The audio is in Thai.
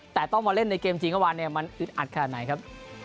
แต่ต้องมาเล่นในเกมจริงเมื่อวานเนี่ยมันอึดอัดขนาดไหนครับ